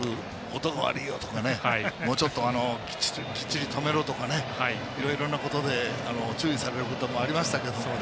音が悪いよとかもうちょっときっちり止めろとかいろいろなことで注意されることがありますよね。